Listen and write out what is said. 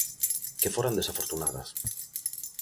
Que foran desafortunadas.